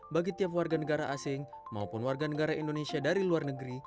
bagi tiap warga negara asing maupun warga negara indonesia dari luar negeri